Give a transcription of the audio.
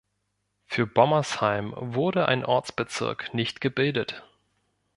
Für Bommersheim wurde ein Ortsbezirk nicht gebildet.